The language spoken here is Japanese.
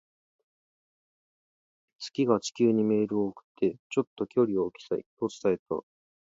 月が地球にメールを送って、「ちょっと距離を置きたい」と伝えた。